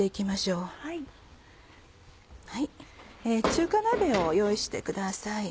中華鍋を用意してください。